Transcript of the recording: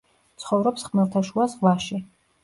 ცხოვრობს ხმელთაშუა ზღვაში.